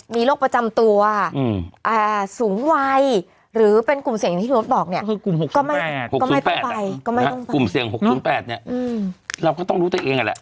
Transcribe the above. มีโรคประจำตัวสูงวัยหรือเป็นกลุ่มเสี่ยงที่เราบอกเนี่ยก็ไม่ต้องไปกลุ่มเสี่ยง๖๘เนี่ยเราก็ต้องรู้ตัวเองแหละ